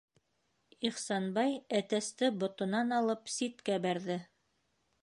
Ихсанбай әтәсте ботонан алып ситкә бәрҙе.